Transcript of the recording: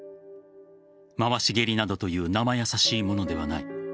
回し蹴りなどという生易しいものではない。